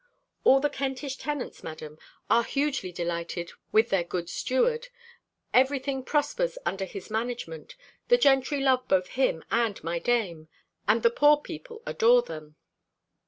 All the Kentish tenants, Madam, are hugely delighted with their good steward: every thing prospers under his management: the gentry love both him and my dame; and the poor people adore them."